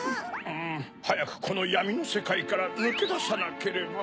うむはやくこのやみのせかいからぬけださなければ。